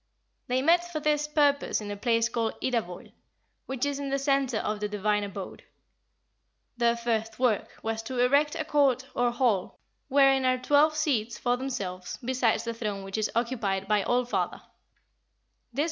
They met for this purpose in a place called Idavoll, which is in the centre of the divine abode. Their first work was to erect a court or hall wherein are twelve seats for themselves, besides the throne which is occupied by All father.